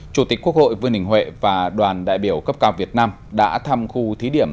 chủ tịch quốc hội vương đình huệ và đoàn đại biểu cấp cao việt nam đã thăm khu thí điểm